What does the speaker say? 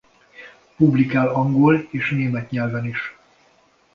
Publikál angol és német nyelven is.